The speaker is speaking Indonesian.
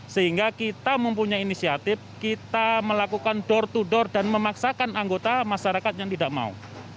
sehingga kita mempunyai inisiatif kita melakukan door to door dan memaksakan anggota masyarakat yang tidak mau